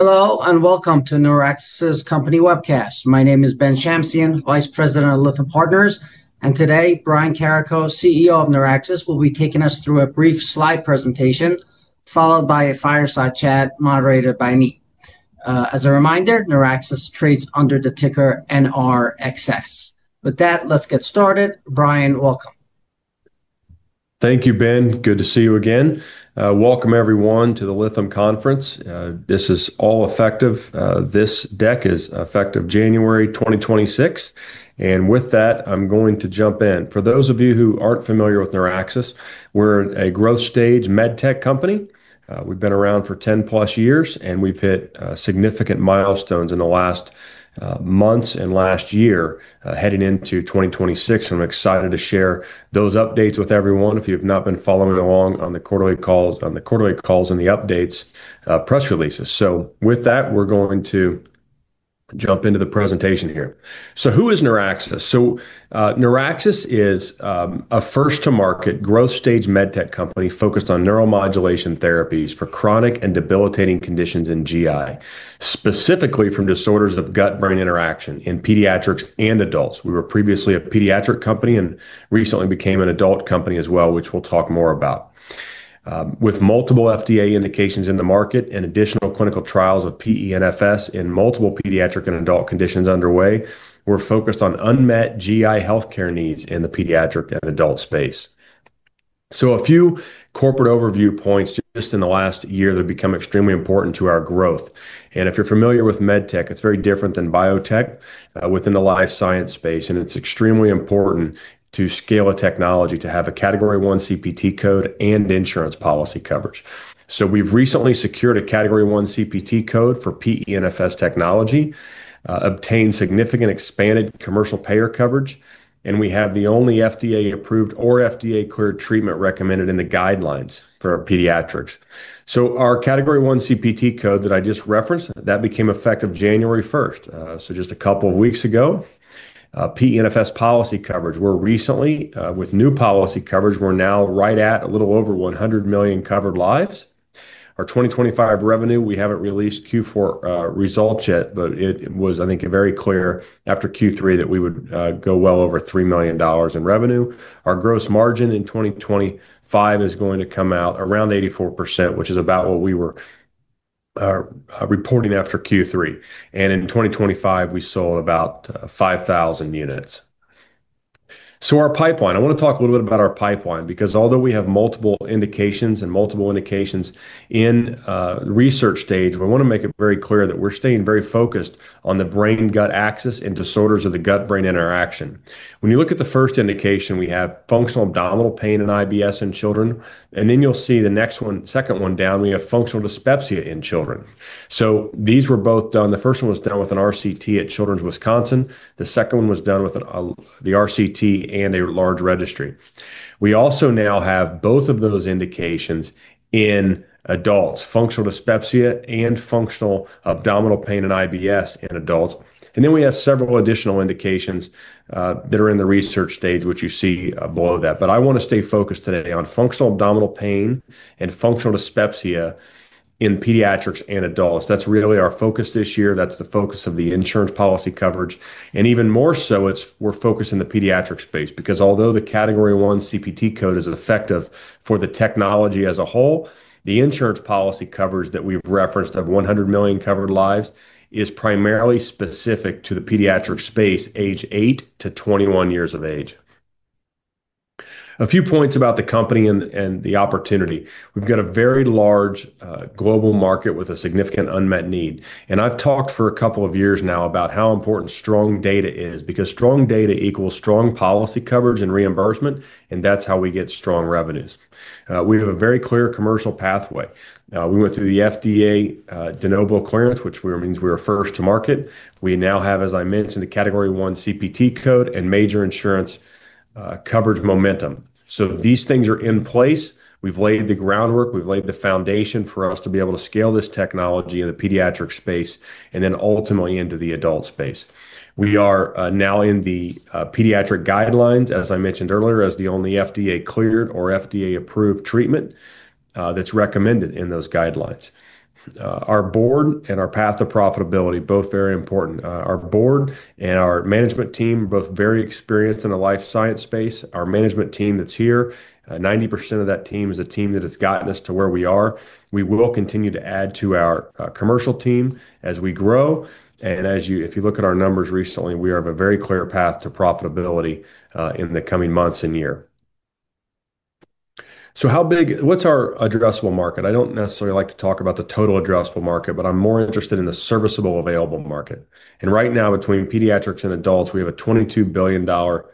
Hello, and welcome to NeurAxis Company Webcast. My name is Ben Shamsian, Vice President of Lytham Partners, and today, Brian Carrico, CEO of NeurAxis, will be taking us through a brief slide presentation, followed by a fireside chat moderated by me. As a reminder, NeurAxis trades under the ticker NRXS. With that, let's get started. Brian, welcome. Thank you, Ben. Good to see you again. Welcome, everyone, to the Lytham Conference. This deck is effective January 2026. With that, I'm going to jump in. For those of you who aren't familiar with NeurAxis, we're a growth stage med tech company. We've been around for 10 plus years, and we've hit significant milestones in the last months and last year heading into 2026. I'm excited to share those updates with everyone. If you've not been following along on the quarterly calls and the updates press releases. With that, we're going to jump into the presentation here. Who is NeurAxis? NeurAxis is a first-to-market growth stage med tech company focused on neuromodulation therapies for chronic and debilitating conditions in GI, specifically disorders of gut-brain interaction in pediatrics and adults. We were previously a pediatric company and recently became an adult company as well, which we'll talk more about. With multiple FDA indications in the market and additional clinical trials of PENFS in multiple pediatric and adult conditions underway, we're focused on unmet GI healthcare needs in the pediatric and adult space. So a few corporate overview points just in the last year that have become extremely important to our growth. And if you're familiar with med tech, it's very different than biotech within the life science space, and it's extremely important to scale a technology to have a Category I CPT code and insurance policy coverage. So we've recently secured a Category I CPT code for PENFS technology, obtained significant expanded commercial payer coverage, and we have the only FDA-approved or FDA-cleared treatment recommended in the guidelines for pediatrics. Our Category I CPT code that I just referenced became effective January 1st, so just a couple of weeks ago. PENFS policy coverage, we're recently, with new policy coverage, we're now right at a little over 100 million covered lives. Our 2025 revenue, we haven't released Q4 results yet, but it was, I think, very clear after Q3 that we would go well over $3 million in revenue. Our gross margin in 2025 is going to come out around 84%, which is about what we were reporting after Q3. And in 2025, we sold about 5,000 units. Our pipeline, I want to talk a little bit about our pipeline because although we have multiple indications and multiple indications in research stage, we want to make it very clear that we're staying very focused on the brain-gut axis and disorders of the gut-brain interaction. When you look at the first indication, we have functional abdominal pain in IBS in children, and then you'll see the next one, second one down, we have functional dyspepsia in children. These were both done. The first one was done with an RCT at Children's Wisconsin. The second one was done with the RCT and a large registry. We also now have both of those indications in adults, functional dyspepsia and functional abdominal pain and IBS in adults. Then we have several additional indications that are in the research stage, which you see below that. I want to stay focused today on functional abdominal pain and functional dyspepsia in pediatrics and adults. That's really our focus this year. That's the focus of the insurance policy coverage. And even more so, we're focused in the pediatric space because although the Category I CPT code is effective for the technology as a whole, the insurance policy coverage that we've referenced of 100 million covered lives is primarily specific to the pediatric space, age eight to 21 years of age. A few points about the company and the opportunity. We've got a very large global market with a significant unmet need. And I've talked for a couple of years now about how important strong data is because strong data equals strong policy coverage and reimbursement, and that's how we get strong revenues. We have a very clear commercial pathway. We went through the FDA de novo clearance, which means we were first to market. We now have, as I mentioned, the Category I CPT code and major insurance coverage momentum. So these things are in place. We've laid the groundwork. We've laid the foundation for us to be able to scale this technology in the pediatric space and then ultimately into the adult space. We are now in the pediatric guidelines, as I mentioned earlier, as the only FDA-cleared or FDA-approved treatment that's recommended in those guidelines. Our board and our path to profitability, both very important. Our board and our management team, both very experienced in the life science space. Our management team that's here, 90% of that team is a team that has gotten us to where we are. We will continue to add to our commercial team as we grow. And if you look at our numbers recently, we have a very clear path to profitability in the coming months and year. So how big? What's our addressable market? I don't necessarily like to talk about the total addressable market, but I'm more interested in the serviceable available market. And right now, between pediatrics and adults, we have a $22 billion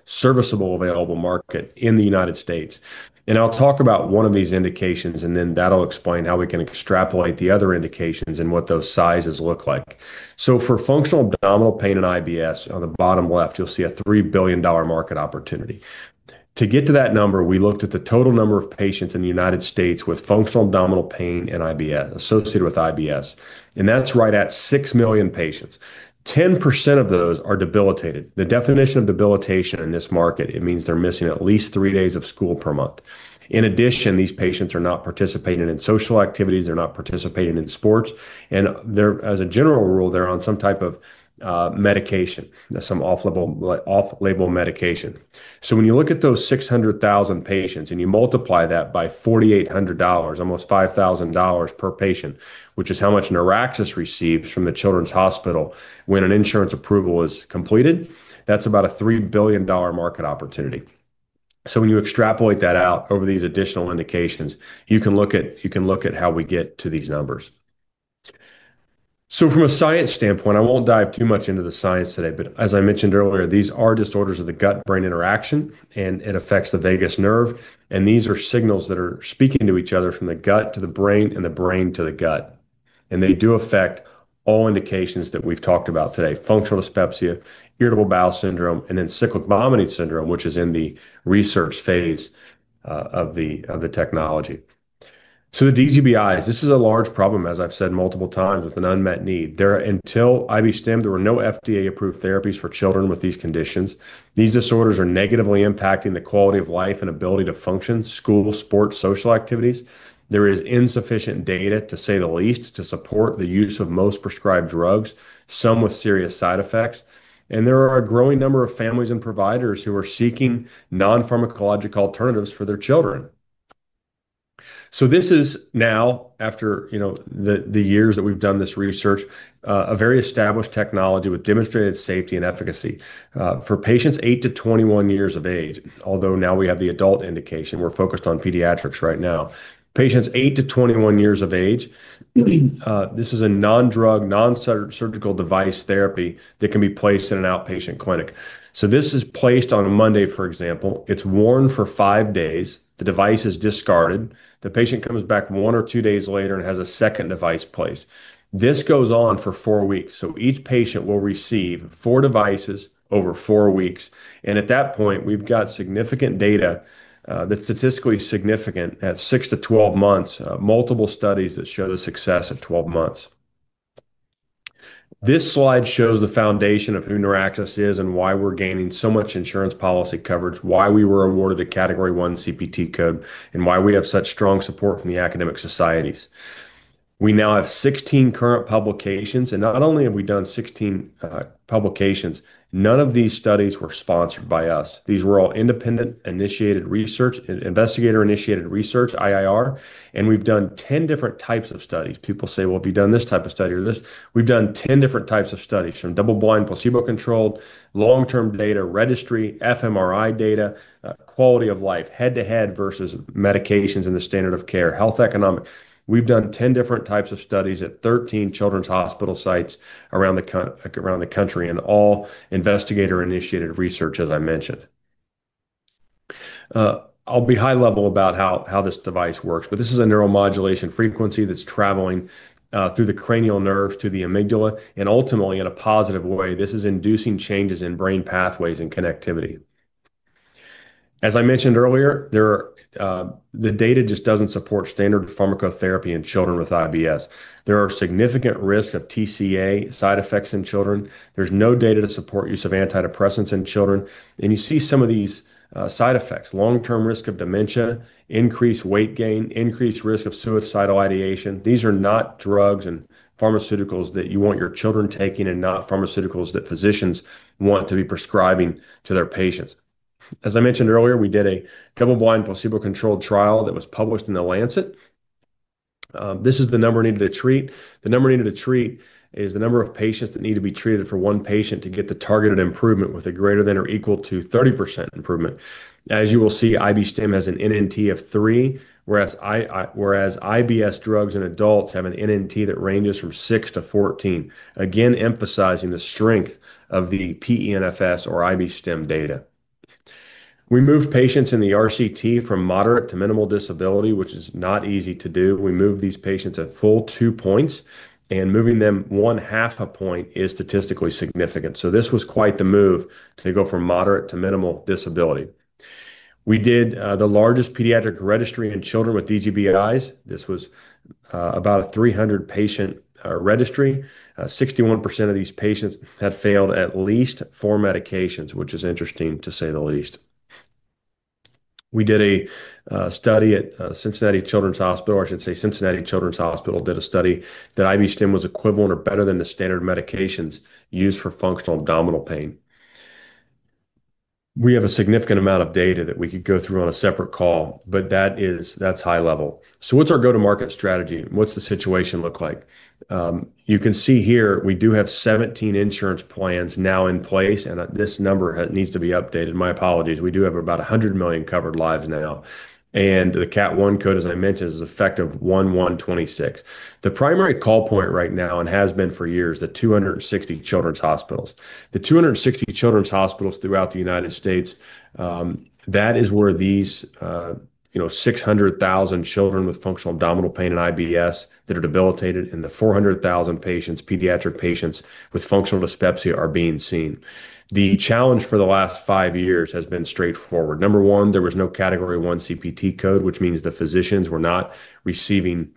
serviceable available market in the United States, and I'll talk about one of these indications, and then that'll explain how we can extrapolate the other indications and what those sizes look like. So for functional abdominal pain and IBS, on the bottom left, you'll see a $3 billion market opportunity. To get to that number, we looked at the total number of patients in the United States with functional abdominal pain and IBS associated with IBS, and that's right at 6 million patients. 10% of those are debilitated. The definition of debilitation in this market, it means they're missing at least three days of school per month. In addition, these patients are not participating in social activities. They're not participating in sports. And as a general rule, they're on some type of medication, some off-label medication. So when you look at those 600,000 patients and you multiply that by $4,800, almost $5,000 per patient, which is how much NeurAxis receives from the Children's Hospital when an insurance approval is completed, that's about a $3 billion market opportunity. So when you extrapolate that out over these additional indications, you can look at how we get to these numbers. So from a science standpoint, I won't dive too much into the science today, but as I mentioned earlier, these are disorders of the gut-brain interaction, and it affects the vagus nerve. And these are signals that are speaking to each other from the gut to the brain and the brain to the gut. And they do affect all indications that we've talked about today: functional dyspepsia, irritable bowel syndrome, and then cyclic vomiting syndrome, which is in the research phase of the technology. So the DGBIs, this is a large problem, as I've said multiple times, with an unmet need. Until IB-Stim, there were no FDA-approved therapies for children with these conditions. These disorders are negatively impacting the quality of life and ability to function, school, sports, social activities. There is insufficient data, to say the least, to support the use of most prescribed drugs, some with serious side effects. And there are a growing number of families and providers who are seeking non-pharmacologic alternatives for their children. So this is now, after the years that we've done this research, a very established technology with demonstrated safety and efficacy for patients eight to 21 years of age. Although now we have the adult indication, we're focused on pediatrics right now. Patients eight to 21 years of age, this is a non-drug, non-surgical device therapy that can be placed in an outpatient clinic. So this is placed on a Monday, for example. It's worn for five days. The device is discarded. The patient comes back one or two days later and has a second device placed. This goes on for four weeks. So each patient will receive four devices over four weeks. And at that point, we've got significant data, statistically significant, at six to 12 months, multiple studies that show the success of 12 months. This slide shows the foundation of who NeurAxis is and why we're gaining so much insurance policy coverage, why we were awarded a Category I CPT code, and why we have such strong support from the academic societies. We now have 16 current publications, and not only have we done 16 publications, none of these studies were sponsored by us. These were all investigator-initiated research, investigator-initiated research, IIR, and we've done 10 different types of studies. People say, "Well, have you done this type of study or this?" We've done 10 different types of studies from double-blind, placebo-controlled, long-term data, registry, fMRI data, quality of life, head-to-head versus medications and the standard of care, health economic. We've done 10 different types of studies at 13 children's hospital sites around the country and all investigator-initiated research, as I mentioned. I'll be high level about how this device works, but this is a neuromodulation frequency that's traveling through the cranial nerve to the amygdala, and ultimately, in a positive way, this is inducing changes in brain pathways and connectivity. As I mentioned earlier, the data just doesn't support standard pharmacotherapy in children with IBS. There are significant risks of TCA side effects in children. There's no data to support use of antidepressants in children. You see some of these side effects: long-term risk of dementia, increased weight gain, increased risk of suicidal ideation. These are not drugs and pharmaceuticals that you want your children taking and not pharmaceuticals that physicians want to be prescribing to their patients. As I mentioned earlier, we did a double-blind, placebo-controlled trial that was published in The Lancet. This is the number needed to treat. The number needed to treat is the number of patients that need to be treated for one patient to get the targeted improvement with a greater than or equal to 30% improvement. As you will see, IB-Stim has an NNT of 3, whereas IBS drugs in adults have an NNT that ranges from 6-14, again emphasizing the strength of the PENFS or IB-Stim data. We moved patients in the RCT from moderate to minimal disability, which is not easy to do. We moved these patients at full two points, and moving them one half a point is statistically significant. So this was quite the move to go from moderate to minimal disability. We did the largest pediatric registry in children with DGBIs. This was about a 300-patient registry. 61% of these patients had failed at least four medications, which is interesting to say the least. We did a study at Cincinnati Children's Hospital, or I should say Cincinnati Children's Hospital did a study that IB-Stim was equivalent or better than the standard medications used for functional abdominal pain. We have a significant amount of data that we could go through on a separate call, but that's high level. So what's our go-to-market strategy? What's the situation look like? You can see here, we do have 17 insurance plans now in place, and this number needs to be updated. My apologies. We do have about 100 million covered lives now. And the Cat 1 code, as I mentioned, is effective 1/1/2026. The primary call point right now, and has been for years, the 260 children's hospitals. The 260 children's hospitals throughout the United States, that is where these 600,000 children with functional abdominal pain and IBS that are debilitated and the 400,000 pediatric patients with functional dyspepsia are being seen. The challenge for the last five years has been straightforward. Number one, there was no Category I CPT code, which means the physicians were not receiving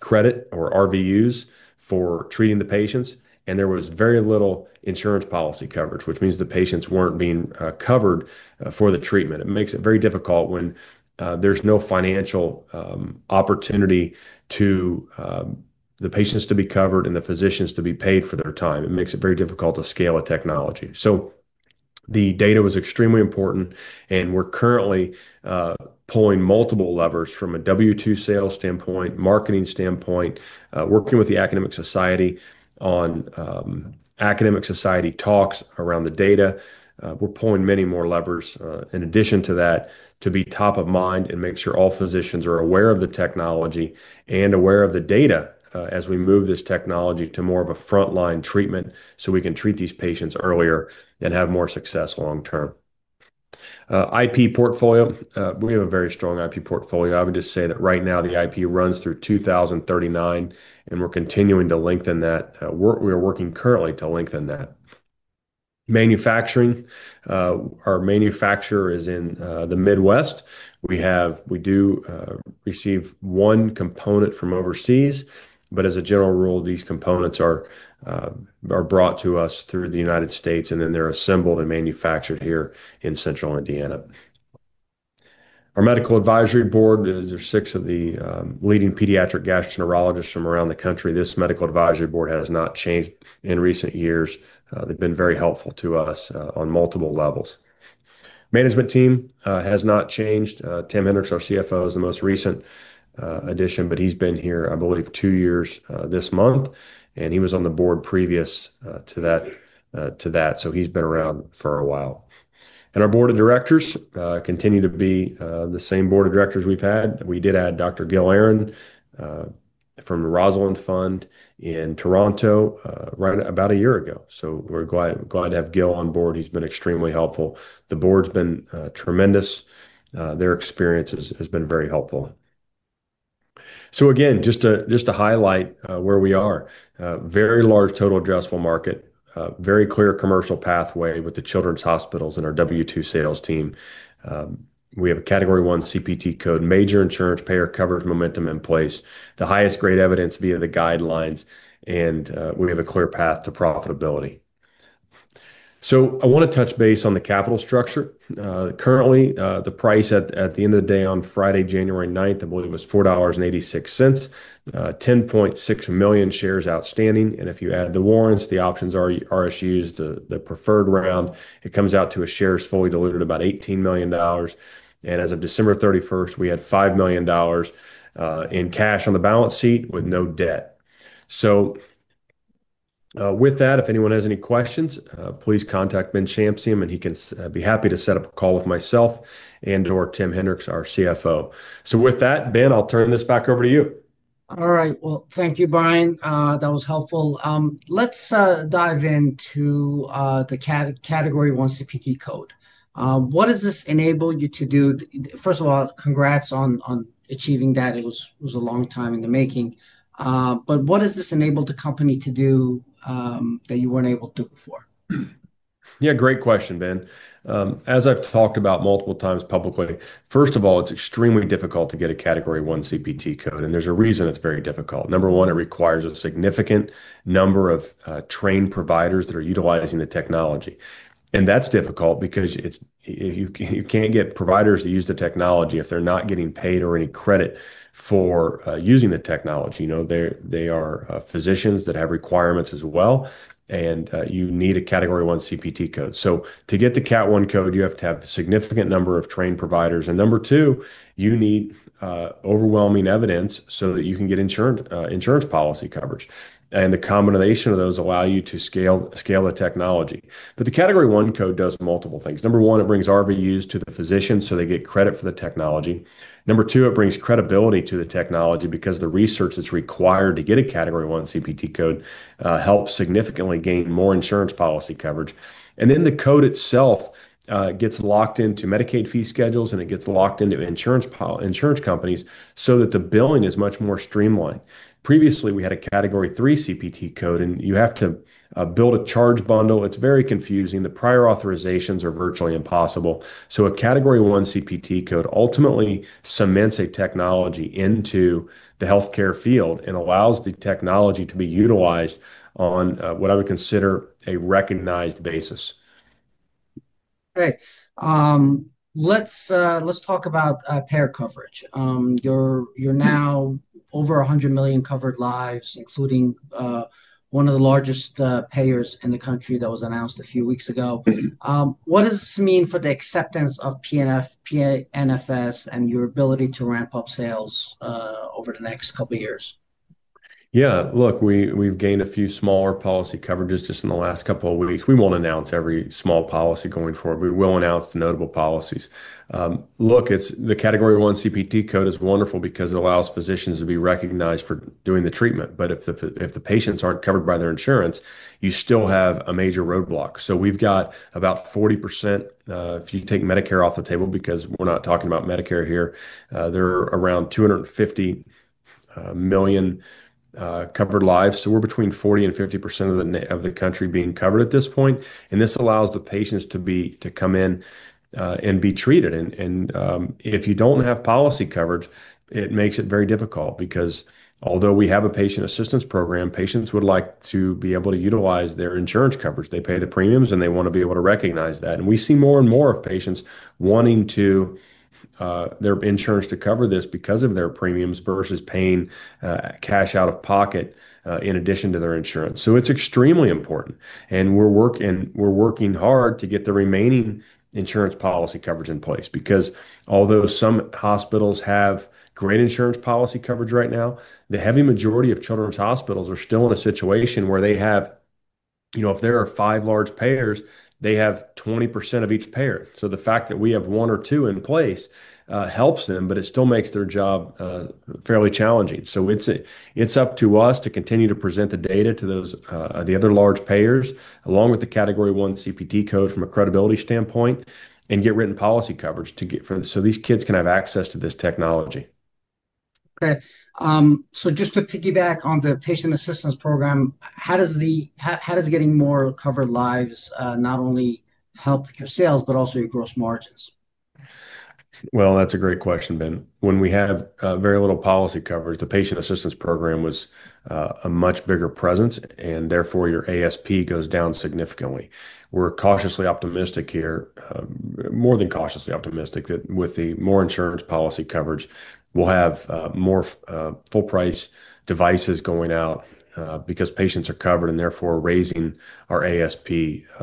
credit or RVUs for treating the patients, and there was very little insurance policy coverage, which means the patients weren't being covered for the treatment. It makes it very difficult when there's no financial opportunity for the patients to be covered and the physicians to be paid for their time. It makes it very difficult to scale a technology. So the data was extremely important, and we're currently pulling multiple levers from a W-2 sales standpoint, marketing standpoint, working with the academic society on academic society talks around the data. We're pulling many more levers in addition to that to be top of mind and make sure all physicians are aware of the technology and aware of the data as we move this technology to more of a frontline treatment so we can treat these patients earlier and have more success long-term. IP portfolio. We have a very strong IP portfolio. I would just say that right now the IP runs through 2039, and we're continuing to lengthen that. We are working currently to lengthen that. Manufacturing. Our manufacturer is in the Midwest. We do receive one component from overseas, but as a general rule, these components are brought to us through the United States, and then they're assembled and manufactured here in Central Indiana. Our medical advisory board, there's six of the leading pediatric gastroenterologists from around the country. This medical advisory board has not changed in recent years. They've been very helpful to us on multiple levels. Management team has not changed. Tim Henrichs, our CFO, is the most recent addition, but he's been here, I believe, two years this month, and he was on the board previous to that, so he's been around for a while, and our board of directors continue to be the same board of directors we've had. We did add Dr. Gil Aharon from The Rosalind Fund in Toronto about a year ago, so we're glad to have Gil on board. He's been extremely helpful. The board's been tremendous. Their experience has been very helpful, so again, just to highlight where we are, very large total addressable market, very clear commercial pathway with the children's hospitals and our W-2 sales team. We have a category I CPT code, major insurance payer coverage momentum in place, the highest grade evidence via the guidelines, and we have a clear path to profitability. So I want to touch base on the capital structure. Currently, the price at the end of the day on Friday, January 9th, I believe it was $4.86, 10.6 million shares outstanding. And if you add the warrants, the options and RSUs, the preferred round, it comes out to about 18 million shares fully diluted. And as of December 31st, we had $5 million in cash on the balance sheet with no debt. So with that, if anyone has any questions, please contact Ben Shamsian, and he'll be happy to set up a call with myself and/or Tim Henrichs, our CFO. So with that, Ben, I'll turn this back over to you. All right. Well, thank you, Brian. That was helpful. Let's dive into the Category I CPT code. What does this enable you to do? First of all, congrats on achieving that. It was a long time in the making. But what does this enable the company to do that you weren't able to do before? Yeah, great question, Ben. As I've talked about multiple times publicly, first of all, it's extremely difficult to get a Category I CPT code, and there's a reason it's very difficult. Number one, it requires a significant number of trained providers that are utilizing the technology. And that's difficult because you can't get providers to use the technology if they're not getting paid or any credit for using the technology. They are physicians that have requirements as well, and you need a Category I CPT code. To get the Category 1 code, you have to have a significant number of trained providers. And number two, you need overwhelming evidence so that you can get insurance policy coverage. And the combination of those allows you to scale the technology. But the category one code does multiple things. Number one, it brings RVUs to the physicians so they get credit for the technology. Number two, it brings credibility to the technology because the research that's required to get a category one CPT code helps significantly gain more insurance policy coverage. And then the code itself gets locked into Medicaid fee schedules, and it gets locked into insurance companies so that the billing is much more streamlined. Previously, we had a Category III CPT code, and you have to build a charge bundle. It's very confusing. The prior authorizations are virtually impossible. So a Category I CPT code ultimately cements a technology into the healthcare field and allows the technology to be utilized on what I would consider a recognized basis. Okay. Let's talk about payer coverage. You're now over 100 million covered lives, including one of the largest payers in the country that was announced a few weeks ago. What does this mean for the acceptance of PENFS and your ability to ramp up sales over the next couple of years? Yeah. Look, we've gained a few smaller policy coverages just in the last couple of weeks. We won't announce every small policy going forward. We will announce the notable policies. Look, the Category I CPT code is wonderful because it allows physicians to be recognized for doing the treatment. But if the patients aren't covered by their insurance, you still have a major roadblock. We've got about 40%, if you take Medicare off the table, because we're not talking about Medicare here. They're around 250 million covered lives. We're between 40%-50% of the country being covered at this point. This allows the patients to come in and be treated. If you don't have policy coverage, it makes it very difficult because although we have a patient assistance program, patients would like to be able to utilize their insurance coverage. They pay the premiums, and they want to be able to recognize that. We see more and more of patients wanting their insurance to cover this because of their premiums versus paying cash out of pocket in addition to their insurance. It's extremely important. We're working hard to get the remaining insurance policy coverage in place because although some hospitals have great insurance policy coverage right now, the heavy majority of children's hospitals are still in a situation where they have, if there are five large payers, they have 20% of each payer. So the fact that we have one or two in place helps them, but it still makes their job fairly challenging. So it's up to us to continue to present the data to the other large payers along with the Category I CPT code from a credibility standpoint and get written policy coverage so these kids can have access to this technology. Okay. So just to piggyback on the patient assistance program, how does getting more covered lives not only help your sales, but also your gross margins? Well, that's a great question, Ben. When we have very little policy coverage, the patient assistance program was a much bigger presence, and therefore your ASP goes down significantly. We're cautiously optimistic here, more than cautiously optimistic, that with the more insurance policy coverage, we'll have more full-price devices going out because patients are covered and therefore raising our ASP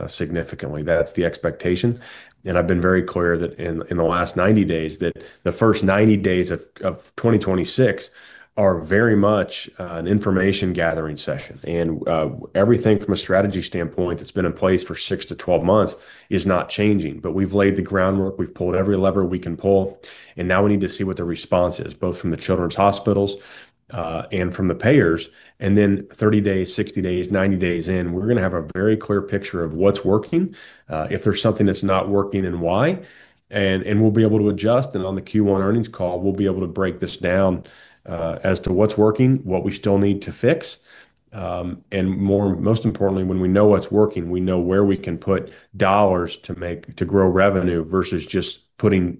significantly. That's the expectation. And I've been very clear that in the last 90 days, that the first 90 days of 2026 are very much an information gathering session. And everything from a strategy standpoint that's been in place for six to 12 months is not changing. But we've laid the groundwork. We've pulled every lever we can pull. And now we need to see what the response is, both from the children's hospitals and from the payers. And then 30 days, 60 days, 90 days in, we're going to have a very clear picture of what's working, if there's something that's not working, and why. And we'll be able to adjust. And on the Q1 earnings call, we'll be able to break this down as to what's working, what we still need to fix. And most importantly, when we know what's working, we know where we can put dollars to grow revenue versus just putting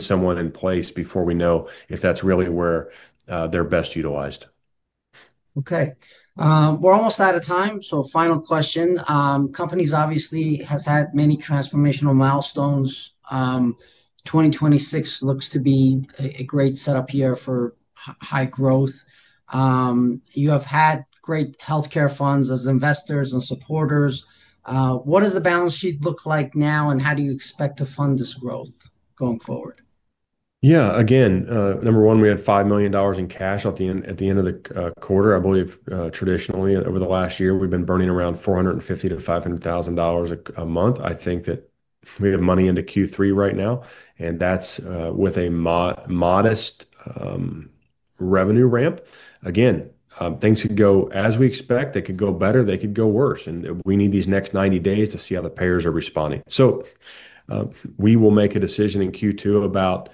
someone in place before we know if that's really where they're best utilized. Okay. We're almost out of time. So final question. Companies obviously have had many transformational milestones. 2026 looks to be a great setup year for high growth. You have had great healthcare funds as investors and supporters. What does the balance sheet look like now, and how do you expect to fund this growth going forward? Yeah. Again, number one, we had $5 million in cash at the end of the quarter, I believe. Traditionally, over the last year, we've been burning around $450,000-$500,000 a month. I think that we have money into Q3 right now, and that's with a modest revenue ramp. Again, things could go as we expect. They could go better. They could go worse. And we need these next 90 days to see how the payers are responding. So we will make a decision in Q2 about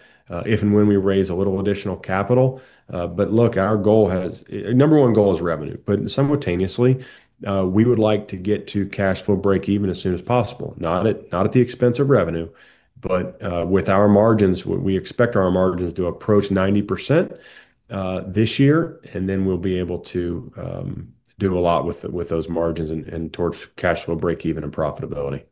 if and when we raise a little additional capital. But look, our goal has number one goal is revenue. But simultaneously, we would like to get to cash flow break-even as soon as possible, not at the expense of revenue, but with our margins. We expect our margins to approach 90% this year, and then we'll be able to do a lot with those margins and towards cash flow break-even and profitability.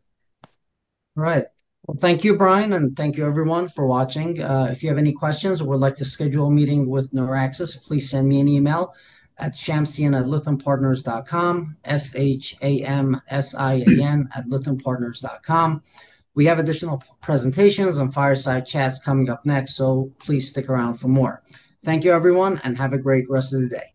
All right. Well, thank you, Brian, and thank you, everyone, for watching. If you have any questions or would like to schedule a meeting with NeurAxis, please send me an email at shamsian@lythampartners.com. We have additional presentations and fireside chats coming up next, so please stick around for more. Thank you, everyone, and have a great rest of the day.